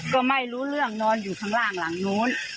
ก็ไม่รู้เรื่องนอนอยู่ข้างล่างหลังนู้น